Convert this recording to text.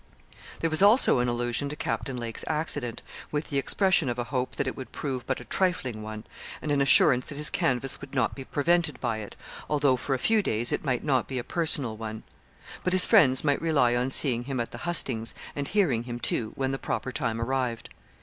There was also an allusion to Captain Lake's accident with the expression of a hope that it would 'prove but a trifling one,' and an assurance 'that his canvass would not be prevented by it although for a few days it might not be a personal one. But his friends might rely on seeing him at the hustings, and hearing him too, when the proper time arrived.'